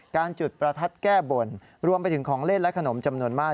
จุดประทัดแก้บนรวมไปถึงของเล่นและขนมจำนวนมาก